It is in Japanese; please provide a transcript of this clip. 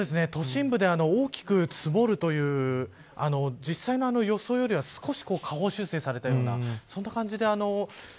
都心部で大きく積もるという実際の予想よりは少し下方修正されたような感じで。